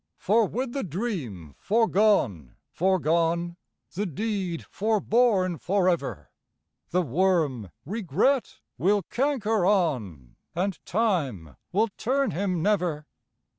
For with the dream foregone, foregone, The deed forborne for ever, The worm, regret, will canker on, And Time will turn him never.